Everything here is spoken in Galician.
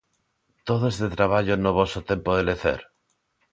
Todo este traballo no voso tempo de lecer?